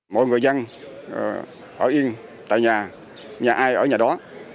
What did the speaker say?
mọi người dân họ yên tại nhà nhà ai ở nhà đó